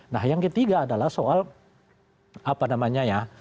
nah yang ketiga adalah soal apa namanya ya